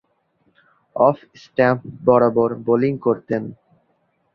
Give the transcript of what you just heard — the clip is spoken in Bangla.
অফ-স্ট্যাম্প বরাবর বোলিং করতেন।